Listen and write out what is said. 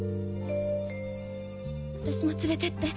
私も連れてって。